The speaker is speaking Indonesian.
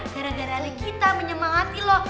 gara gara kita menyemangati loh